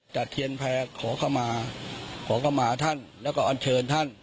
จัดเทียนแพ้ขอก็มาขอก็มาท่านแล้วก็อันเชิญท่าน